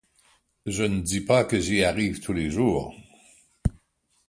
Je dis pas que j’y arrive tous les jours…